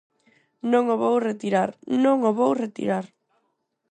Non o vou retirar, non o vou retirar.